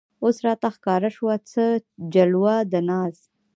اوس راته ښکاره شوه څه جلوه د ناز